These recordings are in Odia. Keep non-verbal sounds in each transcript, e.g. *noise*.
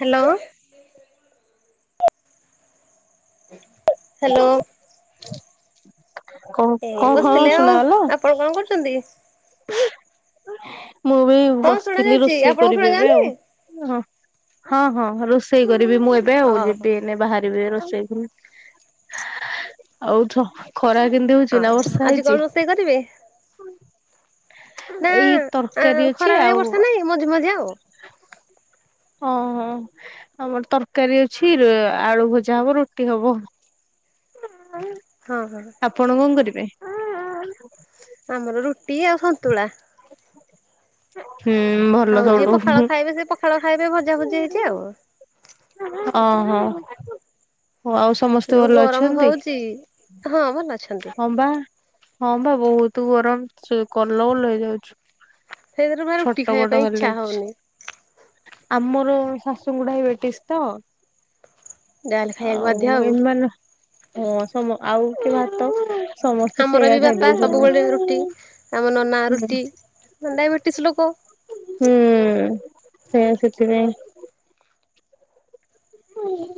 ହ୍ୟାଲୋ। ହ୍ୟାଲୋ। କଣ ଏଇ କଣ ହଁ ବସିଥିଲେ ଆଉ ଶୁଣାଗଲା? ଆପଣ କଣ କରୁଛନ୍ତି। ମୁଁ ବି ହଁ ଶୁଣା ବସିଥିଲି ଯାଉଛି ରୋଷେଇ ଆପଣଙ୍କୁ ଶୁଣା କରିବି ଏବେ ଯାଉନି? ଆଉ। ଓ ହଁ ହଁ ରୋଷେଇ କରିବି ମୁଁ ଏବେ ଆଉ ଓହୋ ଯିବି ବାହାରି ଯିବି ରୋଷେଇକୁ ଆଉଛ ଖରା କେମତି ହଉଛି ନା ବର୍ଷା ହେଇଛି। ସେଇ କରିବେ। ନା ଏଇ ତରକାରୀ ଖରା ଅଛି ନାହିଁ ଆଉ ବର୍ଷା ନାହିଁ ମଝି ମଝି ଆଉ। ହଁ ହଁ। ଆମର ତରକାରୀ ଅଛି ଆଳୁ ଭଜା ହବ ରୁଟି ହବ ହଁ ହଁ ହଁ ଆପଣ କଣ କରିବେ? ଆମର ରୁଟି ଆଉ ସନ୍ତୁଳା। ହୁଁ ଭଲ ଆଉ ଯିଏ ସବୁଠୁ। ପଖାଳ ଖାଇବେ ସେ ପଖାଳ ଖାଇବେ ଭଜା ଭୁଜି ହେଇଛି ଆଉ। ଓ ହୋ ଆଉ ଏ ସମସ୍ତେ ଯୋଉ ଭଲ ଗରମ ଅଛନ୍ତି? ହଉଛି ହଁ ଭଲ ଅଛନ୍ତି ହଁ ବା ହଁ ବା ବହୁତ ଗରମ ସେ କଲବଲ ହେଇ ଯାଉଛୁ ସେଇଥିରୁ ବା ରୁଟି ଛୋଟ ଖାଇବା ବଡ ପାଇଁ ଇଚ୍ଛା *unintelligible* ହଉନି। ଆମର ଶାଶୁଙ୍କୁ ଡାଇବେଟିସ ତ ଯାହାହେଲେ ଖାଇବାକୁ ବାଧ୍ୟ ଆଉ *unintelligible* ସମ ଆଉ କି ଭାତ ସମସ୍ତେ ଆମର ସେଇଆ ବି ବାପା ସବୁବେଳେ ଖାଇଦଉଛନ୍ତି। ରୁଟି ଆମ ନନା ରୁଟି ଡାଇବେଟିସ ଲୋକ। ହୁଁ ସେୟା ସେଥିପାଇଁ।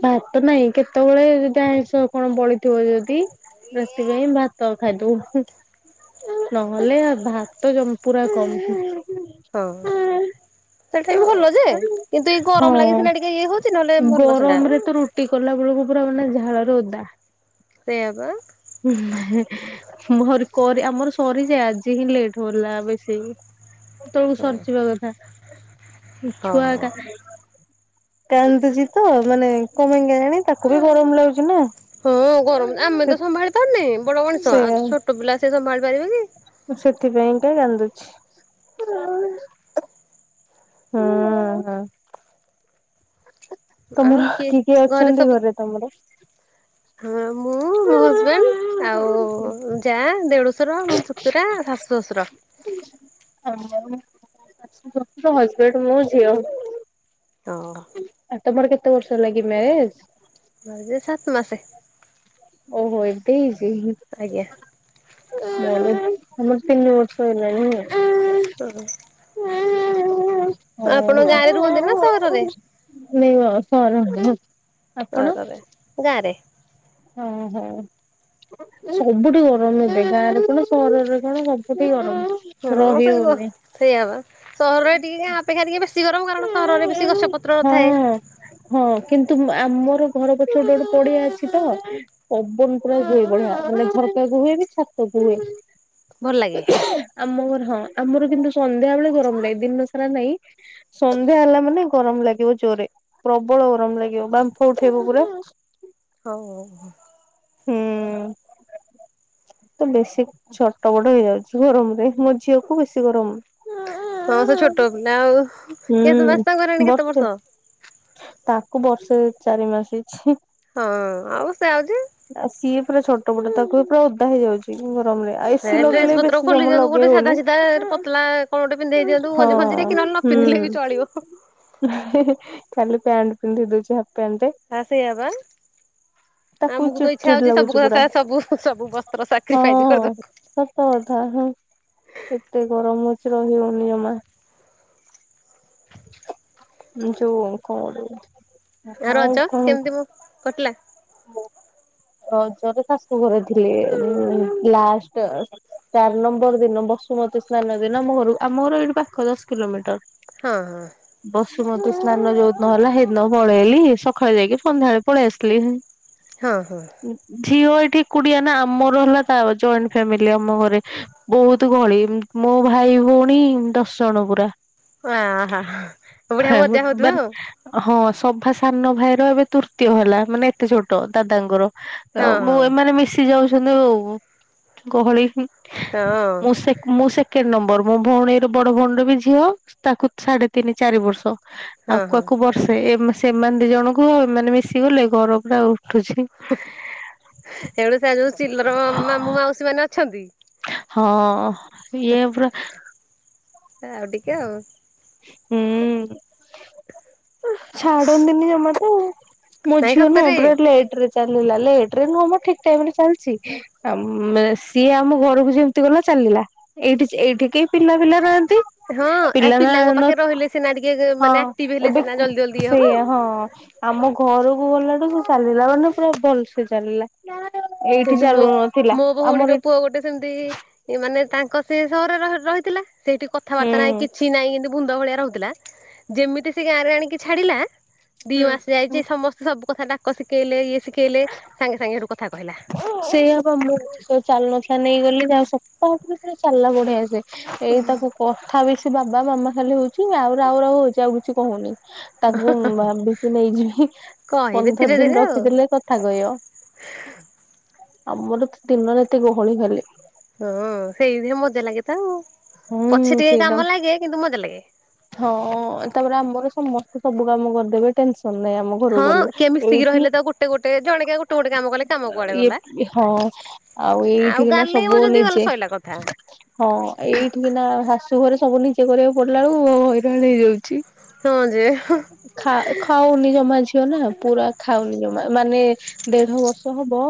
ଭାତ ନହିଁ କେତେବେଳେ ଯଦି ଆଇଁଷ କଣ ବଳିଥିବ ଯଦି ସେଥିପାଇଁ ଭାତ ଖାଇଦବୁ। ନହେଲେ ଭାତ ପୁରା କମ ହଁ ସେଟା ବି ଭଲ ଯେ କିନ୍ତୁ ଏଇ ଗରମ ଲାଗି ସିନା ଟିକେ ଇଏ ହଉଛି। ନହେଲେ ଭଲ ସେଟା ଗରମ ରେ ତ ରୁଟି କଲା ବେଳକୁ ପୁରା ମାନେ ଝାଳରେ ଓଦା ସେୟା ପା ହୁଁ ଁରି କରି ଆମର ସରିଯାଏ ଆଜି ହିଁ ଲେଟ୍ ହଲା ବେଶୀ। ତଳକୁ ସରିଜିବା କଥା। ଛୁଆ ହଁ। ଏକା କାନ୍ଦୁଛି ତ ମାନେ କମେଇ ଜାଣି ତାକୁ ବି ଗରମ ଲାଗୁଛି ନା। ହଁ ଗରମ ଆମେ ସେ ତ ସମ୍ଭାଳି ପାରୁନି ବଡ ମଣିଷ ଆଉ ଛୋଟ ପିଲା ସେ ସମ୍ଭାଳି ପାରେ କି? ମୁଁ ସେଥିପାଇଁକା କାନ୍ଦୁଛି। ହଁ ହଁ ତମର କିଏ କିଏ ଅଛନ୍ତି ଘରେ ତମର? ହଁ ମୁଁ ମୋ ହଜବେଣ୍ଡ ଆଉ ଯା ଦେଢଶର। ମୋ ପୁତୁରା ଶାଶୁ ଶ୍ୱଶୁର। *inaudible* ହସବେଣ୍ଡ ମୁଁ ଝିଅ। ହଁ ଆଉ ତମର କେତେ ବର୍ଷ ଲାଗି ମ୍ୟାରେଜ? *unintelligible* ସାତ ମାସେ। ଓହୋ ଏଵେ ହେଇଚି। ଆଜ୍ଞା ଆମର ତିନି ବର୍ଷ ହେଲାଣି। ଓ ହୋ ହଁଁ। ଆପଣ ଗାଁରେ ରୁହନ୍ତି ନା ସହରରେ? ନାଁ ସହରର। ସହରରେ, ଗାଁ ରେ? ହଁ ହଁ ସବୁଠି ଗରମ ଏବେ ଗାଁ ରେ କଣ ସହରରେ କଣ ସୁ ସବୁଠି ଗରମ ରହି ହଉନି। ସେଇଆବା, ସହରରେ ଟିକେ ଗାଁ ଅପେକ୍ଷା ଟିକେ ବେଶୀ ଗରମ କାରଣ ସହରରେ ବେଶୀ ଗଛପତ୍ର ନଥାଏ। ହଁ ହଁ କିନ୍ତୁ ଆମର ଘର ପଛପଟେ ଗୋଟେ ପଡ଼ିଆ ଅଛି ତ ପବନ ପୁରା ହୁଏ ବଢ଼ିଆ ମାନେ ଝରକାକୁ ହୁଏ ବି ଛାତକୁ ହୁଏ। ଭଲ ଲାଗେ। ଆମ ଘର ହଁ ଆମର କିନ୍ତୁ ସନ୍ଧ୍ୟା ବେଳେ ଗରମ ଲାଗେ ଦିନ ସାରା ନାଇଁ। ସନ୍ଧ୍ୟା ହେଲା ମାନେ ଗରମ ଲାଗିବ ଜୋରେ ପ୍ରବଳ ଗରମ ଲାଗିବ ବାମ୍ଫ ଉଠେଇବ ପୁରା। ହଉ ହଉ ହଉ। ହୁଁ ତ ବେଶୀ ଛଟପଟ ହେଇଯାଉଛି ଗରମରେ ମ ଝିଅକୁ ବେଶୀ ଗରମ। ହଁ ସେ ଛୋଟ ପିଲା ଆଉ କେତେ ହୁଁ ମାସ ହେଲାଣି ତାକୁ ବର୍ଷେ କେତେ ବର୍ଷ? ତାକୁ ବର୍ଷେ ଚାରି ମାସ ହେଇଛି। ହଁ ଆଉ ସେ ଆଉଛି। ନା ସିଏ ପୁରା ଛଟପଟ ତାକୁ ବି ପୁରା ଓଦା ହେଇଯାଉଛି ଗରମରେ। ଆଉ ଏ ସେ ସି ଡ୍ରେସ ଲଗେଇଲେ ବି ପତ୍ର ବେଶୀ ଖୋଲି ସମୟ ଦିଅନ୍ତୁ ଗୋଟେ ଲଗେଇ ସାଧା ହଉନି ସିଧା ପତଲା କଣ ଗୋଟେ ପିନ୍ଧେଇ ଦିଅନ୍ତୁ ଗଞ୍ଜି ହଁ। ଫଞ୍ଜିରେ କି ନହେଲେ ନ ପିନ୍ଧିଲେ ବି ଚଳିବ। ହୁଁ ଖାଲି ପ୍ୟାଣ୍ଟ ପିନ୍ଧେଇ ଦଉଛି ହାପ ପ୍ୟାଣ୍ଟ୍ ଟେ ହଁ ସେୟା ପା। ତାକୁ ଆମକୁ ତ ଚିଡ ଇଚ୍ଛା ଚିଡ ହଉଛି ସବୁ ଲାଗୁଛି କଥା ପୁରା ସାରା ସବୁ ସବୁ ବସ୍ତ୍ର ସାକ୍ରିଫାଇସ ହଁ। କରିଦେବାକୁ। ସତ କଥା ହଁ ଏତେ ଗରମ ହଉଛି ରହି ହଉନି ଜମା। ଯୋଉ କଣ ଗୋଟେ ଆ ରଜ କେମିତି ମୁଁ କଟିଲା? କୁହ ରଜରେ ଶାଶୁ ଘରେ ଥିଲି ଲାଷ୍ଟ ଚାରି ନମ୍ବର ଦିନ ବସୁମତୀ ସ୍ନାନ ଦିନ ଆମ ଘରକୁ ଆମ ଘର ଏଇଠି ପାଖରେ ଦଶ କିଲୋମିଟର। ହଁ, ହଁ। ବସୁମତୀ ସ୍ନାନ ଯୋଉଦିନ ହେଲା ସେଇଦିନ ପଳେଇଲି ସକାଳେ ଯାଇକି ସନ୍ଧ୍ୟାବେଳେ ପଳେଇ ଆସିଲି। ହଁ, ହଁ। ଝିଅ ଏଠି ଏକୁଟିଆ ନା ଆମର ହେଲା ତା ଜଏଣ୍ଟ ଫ୍ୟାମିଲି ଆମ ଘରେ ବହୁତ ଗହଳି ମୋ ଭାଇ ଭଉଣୀ ଦଶ ଜଣ ପୁରା। ଆହାଃ ବଢ଼ିଆ ମଜା ମାନେ ହଉଥିବ ଆଉ? ହଁ ସଭା ସାନ ଭାଇର ଏବେ ତୃତୀୟ ହେଲା ମାନେ ଏତେ ଛୋଟ ଦାଦାଙ୍କର। ହଁ ହଁ ମୁଁ ଏମାନେ ମିଶି ଯାଉଛନ୍ତି ଆଉ ଗହଳି। ହଁ। ମୁଁ ମୁଁ ସେକେଣ୍ଡ ନମ୍ବର ମୋ ଭଉଣୀର ବଡ଼ ଭଉଣୀର ବି ଝିଅ ତାକୁ ସାଢ଼େ ତିନି ଚାରି ବର୍ଷ। ହଁ ଆକୁ ହଁ ଆକୁ ବର୍ଷେ ସେମାନେ ଦି ଜଣଙ୍କୁ ଏମାନେ ମିଶି ଗଲେ ଘର ପୁରା ଉଠୁଛି। ହେଣୁ ସେ ଯୋଉ ଚିଲର ମାମୁଁ ମାଉସୀ ମାନେ ଅଛନ୍ତି ହଁ ଇଏ ପୁରା ଆଉ ଟିକେ ଆଉ। ହୁଁ ଛାଡ଼ନ୍ତିନି ଜମା ତ। ମୋ ନାଇଁ ଝିଅ ନୁହଁ ସତରେ ପୁରା ଲେଟ ରେ ଚାଲିଲା ଲେଟ ରେ ନୁହଁ ମୋ ଠିକ ଟାଇମ ରେ ଚାଲିଛି ଆ ମେ ସିଏ ଆମ ଘରକୁ ଯେମିତି ଗଲା ଚାଲିଲା। ଏଇଠି ଏଇଠି କିଏ ପିଲା ଫିଲା ନାହାଁନ୍ତି। ହଁ ଏ ପିଲା ନା ପିଲାଙ୍କ ପାଖରେ ନଥି ରହିଲେ ସିନା ଟିକେ ହଁ ମାନେ ଆକ୍ଟିଭ ହେଲେ ଏବେ ସିନା ଜଲ୍ଦି ଜଲ୍ଦି ଇଏ ହବ। ସେଇଆ ହଁ। ଆମ ଘରକୁ ଗଲାଠୁ ସେ ଚାଲିଲା ମାନେ ପୁରା ଭଲସେ ଚାଲିଲା। ଏଇଠି କେମତି ଚାଲୁ ନଥିଲା ମୋ- ମୋ ଆମର ଭଉଣୀର ପୁଅ ଗୋଟେ ସେମିତି ମାନେ ତାଙ୍କ ସେ ସହରରେ ରହିଥିଲା ସେଇଠି କଥାବାର୍ତ୍ତା ହୁଁ। ନାହିଁ କିଛି ନାହିଁ କିନ୍ତୁ ଭୂନ୍ଦ ଭଳିଆ ରହୁଥିଲା। ଯେମିତି ସେ ଗାଁରେ ଆଣିକି ଛାଡ଼ିଲା ଦିମାସେ ଯାଇଛି ସମ ସେ ସବୁ କଥା ଡାକ ଶିଖେଇଲେ, ଇଏ ଶିଖେଇଲେ ସାଙ୍ଗେ ସାଙ୍ଗେ ସେଠୁ କଥା କହିଲା। ସେଇଆ ବା ମୋ *unintelligible* ଚାଲୁ ନଥିଲା ନେଇଗଲି ଯାହା ହଉ ସପ୍ତାହକ ଭିତରେ ଚାଲିଲା ବଢିଆ ସେ। ଏଇ ତାକୁ କଥା ବି ସେ ବାବା ମାମା ଖାଲି ହଉଛି ଆଉ ରାଉ ରାଉ ହଉଛି ଆଉ କିଛି କହୁନି। ତାକୁ ଭାବିଚି ନେଇଯିବି କହିବେ ଧୀରେ ପନ୍ଦର ଦିନ ଧୀରେ ଆଉ ରଖିଦେଲେ କଥା କହିବ। ଆମର ତ ଦିନ ରାତି ଗହଳି ଖାଲି। ହଁ ସେଇଥିରେ ମଜା ଲାଗେ ତ ଆଉ, ହୁଁ ପଛେ ଟିକେ ସେଇଟା କାମ ଲାଗେ, କିନ୍ତୁ ମଜା ଲାଗେ। ହଁ ତାପରେ ଆମର ସମସ୍ତେ ସବୁ କାମ କରିଦେବେ ଟେନସନ ନାହିଁ ଆମ ଘରୁ କୁ ହଁ ଗଲେ କିଏ ମିଶିକି ଏଇଠି ରହିଲେ ତ ଗୋଟେ ଗୋଟେ ଜଣେକା ଗୋଟେ ଗୋଟେ କାମ କଲେ କାମ କୁଆଡେ ଇଏ ଗଲା ଇଏ ହଁ। ଆଉ ଏଇଠି କିନା ଗାଲେଇବ ସବୁ ଯଦି ଗଲେ ନିଜେ। ସଇଲା କଥା। ହଁ ଏଇଠିକିନା ଶାଶୁଘରେ ସବୁ ନିଜେ କରିବାକୁ ପଡ଼ିଲା ବେଳକୁ ହଇରାଣ ହେଇଯାଉଛି। ହଁ ଯେ ହଁ। ଖା ଖାଉନି ଜମା ଝିଅ ନା ପୁରା ଖାଉନି ଜମା ମାନେ ଦେଢ ବର୍ଷ ହବ,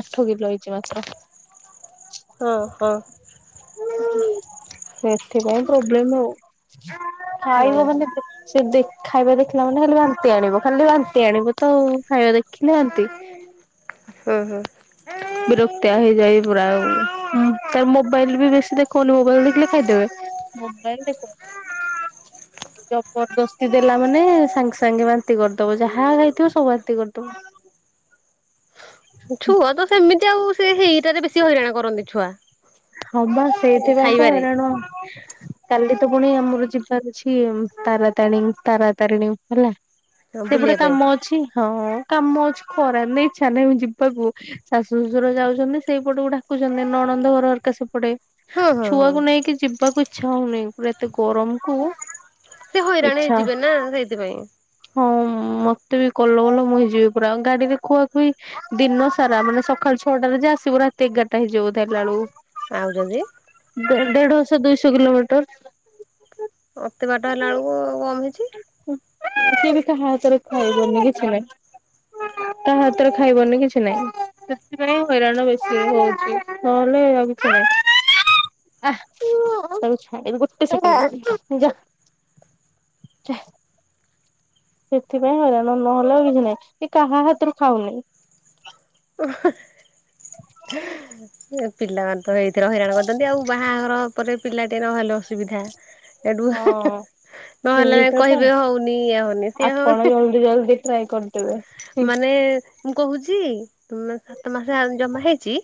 ଆଠ କିଲ ହେଇଛି ମାତ୍ର। ହଁ ହଁ। ସେଥିପାଇଁ ପ୍ରୋବ୍ଲେମ ହଉ, ଖାଇବ ମାନେ ହୁଁ ସେ ଦେ ଖାଇବା ଦେଖିଲା ମାନେ ଖାଲି ବାନ୍ତି ଆଣିବ, ଖାଲି ବାନ୍ତି ଆଣିବ ତ ଆଉ ଖାଇବା ଦେଖିଲେ ବାନ୍ତି। ହୁଁ ହୁଁ। ବିରକ୍ତିଆ ହେଇଯାଏ ପୁରା, ତାର ମୋବାଇଲ ବି ବେଶୀ ଦେଖାଉନି, ମୋବାଇଲ ଦେଖିଲେ ଖାଇଦେବେ। *unintelligible* *unintelligible* ଜବରଦସ୍ତି ଦେଲା ମାନେ ସାଙ୍ଗେ ସାଙ୍ଗେ ବାନ୍ତି କରିଦବ ଯାହା ଖାଇଥିବ ସବୁ ବାନ୍ତି କରିଦବ। ଛୁଆ ତ ସେମିତି ଆଉ, ସେ ହେଇଟାରେ ବେଶୀ ହଇରାଣ କରନ୍ତି ଛୁଆ। ହଁ ବା ସେଇଥିପାଇଁ ତ ଖାଇବାରେ ହଇରାଣ। କାଲି ତ ପୁଣି ଆମର ଯିବାର ଅଛି ତାରାତାରଣୀ, ତାରାତାରିଣୀ ହେଲା। ସେପଟେ ବୁଲିବା ପାଇଁ କାମ ଅଛି, ହଁ କାମ ଅଛି ଖରାରେ ନାଇଁ ଇଚ୍ଛା ନାହିଁ ଯିବାକୁ ଶାଶୁ ଶ୍ୱଶୁର ଯାଉଛନ୍ତି ସେଇପଟକୁ ଡାକୁଛନ୍ତି ନଣନ୍ଦ ଘର ସେପଟେ ହଁ ହଁ ହଁ ଛୁଆକୁ ନେଇକି ଯିବାକୁ ଇଚ୍ଛା ହଉନି ପୁରା ଏତେ ଗରମ କୁ ସେ ହଇରାଣ ଇଚ୍ଛା ହେଇଯିବେ ନା ସେଇଥିପାଇଁ। ହଁ ମତେ ବି କଲ ବଲ ମୁଁ ହେଇଯିବି ପୁରା, ଗାଡିରେ ଖୁଆଖୁଇ ଦିନ ସାରା ମାନେ ସକାଳ ଛଅଟାରେ ଯେ ଆସିବୁ ରାତି ଏଗାରଟା ହେଇଯିବ ଆସିଲା ବେଳକୁ ଆଉ ଯଦି? ଦେ ଦେଢ଼ଶହ ଦୁଇଶହ କିଲୋମିଟର ଅତି ବାଟ ହେଲା ବେଳକୁ ଆଉ କମ ହେଇଛି, ସିଏ ବି କାହା ହାତରେ ଖାଇବନି କିଛି ନହିଁ। *inaudible* କାହା ହାତରେ ଖାଇବନି କିଛି ନହିଁ, ସେଥିପାଇଁ ହଇରାଣ ବେଶି ହଉଛି ନହେଲେ ଆଉ କିଛି ନାହିଁ। *inaudible* ଆଃ ତାକୁ ଛାଡିବି, ଗୋଟେ ସେକେଣ୍ଡ, ଗୋଟେ ସେକେଣ୍ଡ *inaudible* ସେଥିପାଇଁ ହଇରାଣ ନହେଲେ ଆଉ କିଛି ନହିଁ, ଏ କାହା ହାତରୁ ଖାଉନେଇ *unintelligible* ପିଲାମାନେ ତ ଏଇଥିରେ ହଇରାଣ କରୁଛନ୍ତି ଆଉ, ବାହାଘର ପରେ ପିଲା ଟେ ନହେଲ ଆସୁ ଅସୁବିଧା, ଏଠୁ ହଁ ନହେଲେ ସେଇଟା କହିବେ ହଉନି ଇଏ ହଉନି ସିଏ ହଉନି *unintelligible* ଟ୍ରାଇ କରିଦେବେ। ମାନେ ମୁଁ କହୁଛି, ମ ସାତ ମାସ ଜମା ହେଇଛି।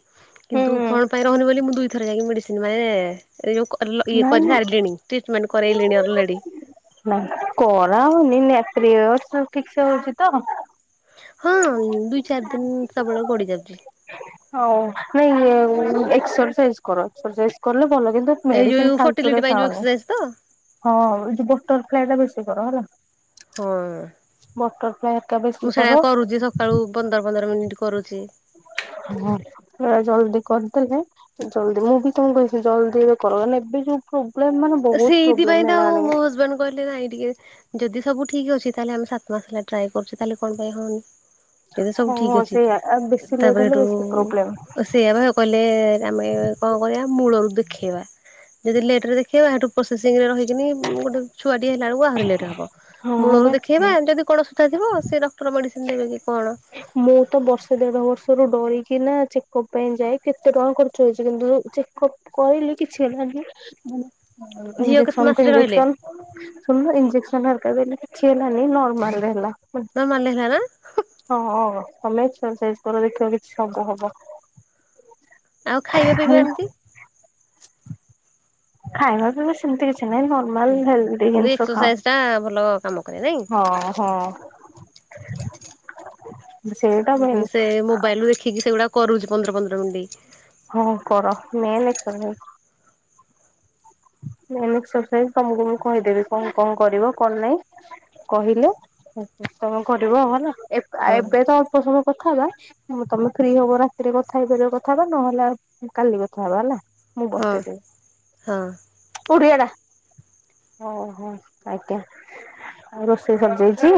କିନ୍ତୁ, ହୁଁ କଣ ପାଇଁ ରହୁନି ବୋଲି ମୁଁ ଦୁଇଥର ଯାଇକି ମେଡିସିନି ମାନେ ଯୋଉ କରଲ ଇଏ ନା କରି ନା ସାରିଲିଣି। ଟ୍ରିଟମେଣ୍ଟ କରାଇଲିଣି ଅଲରେଡ଼ି। ନା କରା ହଉନି, ନା ପ୍ରିୟଡ୍‌ସ୍‌ ଠିକ ସେ ହଉଛି ତ? ହଁ ଦୁଇ ଚାରି ଦିନ ସବୁବେଳେ ଗଡି ଯାଉଛି। ହଉ ନାଇଁ ଏକ୍ସରସାଇଜ୍ କର କରିଲେ ଭଲ କିନ୍ତୁ ଏଇ ମେଡିସିନ ଯୋଉ ଖାଲତୁ ରେ ଫର୍ଟିଲିଟି ପାଇଁ ଯୋଉ ଖାାଉନି ଏକ୍ସରସାଇଜ ତ ହଁ ଯ ବଟରଫ୍ଲାଏ ଟା ବେଶୀ କର ହେଲା। ହଁ ମୁଁ ସେଇଟା *inaudible* ସକାଳୁ ପନ୍ଦର ପନ୍ଦର ମିନିଟ୍ କରୁଛି। *inaudible* ଜଲ୍ଦି କରିଦେଲେ ଜଲଦି ମୁଁ ବି ତମକୁ କହିି ଜଲଦି କର ଏବେ ଯଉ ପ୍ରୋବ୍ଲେମ ମାନେ ବହୁତ ପ୍ରୋବ୍ଲେମ ସେଇଥିପାଇଁ ତ ଆଉ ହେଲାଣି। ମୋ ହଜବେଣ୍ଡ କହିଲେ ନାଇ ଟିକେ ଯଦି ସବୁ ଠିକ୍ ଅଛି ତାହେଲେ ଆମେ ସାତ ମାସ ହେଲା ଟ୍ରାଏ କରୁଛୁ ତାହେଲେ କଣ ପାଇଁ ହଉନି। ଯ ସବୁ ହଁ ଠିକ ଅଛି ସେଇଆ ଆଉ ବେଶୀ ଲେଟ୍ ତାପରେ ହେଲେ ଏଠୁ ବେଶୀ ପ୍ରୋବ୍ଲେମ ସେଆ ବା କହିଲେ ଆମେ କଣ କରିବା ମୂଳରୁ ଦେଖେଇବା ଯଦି ଲେଟରେ ଦେଖେଇବାଠୁ ପ୍ରୋସେସିଂ ରେ ରହିକିନି ଗୋଟେ ଛୁଆଟିଏ ଖିଲାବେଳକୁ ଆହୁରିଲେଟ ହବ ହଁ ମୂଳରୁ ବା ସେଇଆ। ଦେଖେଇବା ଯଦି କଣ ସୁଧା ଥିବ ସେ ଡକ୍ଟର ମେଡିସିନ ଦେବେ କି କଣ? ମୁଁ ତ ବର୍ଷେ ଦେଢ଼ ବର୍ଷରୁ ଡରିକି ନା ଚେକଅପ୍ ପାଇଁ ଯାଏ କେତେ ଟଙ୍କା ଖର୍ଚ୍ଚ ହେଇଛି କିନ୍ତୁ ଚେକପ୍ କହିଲି କିଛି ହେଲାନି ଝିଅ କେତେ ଇଞ୍ଜେକ୍ସନ୍ ମାସରେ ରହିଲେ ଫିଞ୍ଜେକ୍ସନ। ସୁଣୁନୁ ଇନ୍ଜେକସନ ହେରିକା ଦେଲି କିଛିହେଲାନି ନର୍ମାଲରେ ହେଲା। ନର୍ମାଲ ହେଲା ନା ହଁ ତମେ ଏକ୍ସରଶାଇଜ କର ଦେଖିବ କିଛି ସବୁ ହବ। ଆଉ ଖାଇବା ପିଇବା ଖାଲି ଏମିତି ଖାଇବା ପିଇବା ସେମିତି କିଛି ନାହିଁ ନର୍ ମାଲ୍ ହେଲଦି କିନ୍ତୁ ଜିନିଷ ଖାଅ ଏକ୍ସରସାଇଜ ଟା ଭଲ କାମ କରେ ନାଇଁ ହଁ ହଁ। *inaudible* ମୁଁ ମେନ୍ ସେ ମୋବାଇଲରୁ ଦେଖିକି ସେଗୁଡ଼ା କରୁଛି ପନ୍ଦର ପନ୍ଦର ମିଣ୍ଟି। ହଁ କର ମେନ୍ ଏକ୍ସରସାଇଜ। ମେନ୍ ଏକ୍ସର୍ସାଇଜ ତମକୁ ମୁଁ କହିଦେବି କଣ କଣ କରିବ କଣ ନାହିଁ। କହିଲେ ତମେ କରିବ ଆଉ ହେଲା ହଁ ଏବେ ତ ଅଳ୍ପ ସମୟ କଥା ହବା। ତମେ ଫ୍ରି ହବ ରାତିରେ କଥା ହେଇପାରିବ କଥା ହବା ନହେଲେ କାଲି କଥା ହବା ହେଲା। ମୁଁ ହଁ ହଁ। ପୁଡ଼ିଆଟା। ଓହୋ ଆଜ୍ଞା ଆଉ ରୋଷେଇ ସରିଯାଇଛି।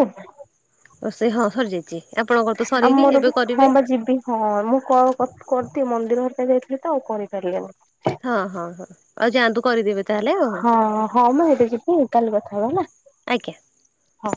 ରୋଷେଇ ହଁ ସରିଯାଇଛି ଆପଣଙ୍କର ତ ଆଉ ସରିନି ମୋର ବି ଏବେ ହଁ କରିବେ। ବା ଯିବି ହଁ ମୁଁ କଲ୍ କରିଥି ମନ୍ଦିର ହେରିକ ଯାଇଥିଲି ତ ଆଉ କରିପାରିଲିନି। ହଁ ହଁ ହଁ ଆଉ ଯାଆନ୍ତୁ କରିଦେବେ ତାହେଲେ ଆଉ। ହଁ ହଁ ମୁଁ ଏବେ ଯିବି କାଲି କଥା ହବା ହେଲା। ଆଜ୍ଞା। ହଁ।